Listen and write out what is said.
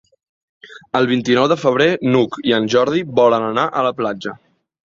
El vint-i-nou de febrer n'Hug i en Jordi volen anar a la platja.